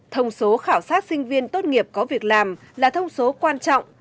thông số khảo sát sinh viên tốt nghiệp có việc làm là thông số quan trọng